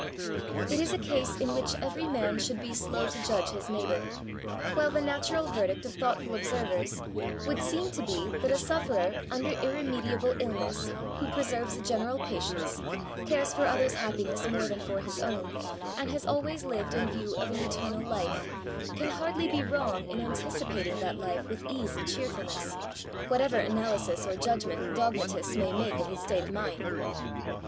It is a case in wluch every man should be slow to judge his neighbour^ while the natural verdict of thoughtful observers would seem to be that a sufferer under irremediable iUness, who preserves a general patience, cares for others' happiness more than for his own, and has always lived in view of an eternal life, can hardly be wrong in anticipating that life with ease and cheerfulness, whatever analysis or judgment dogmatists may make of his state of mind.